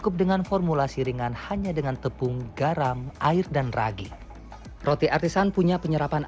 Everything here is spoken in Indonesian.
iya ini proses yang paling sulit sebenarnya